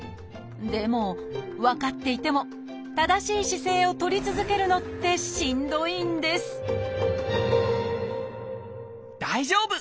でも分かっていても正しい姿勢をとり続けるのってしんどいんです大丈夫！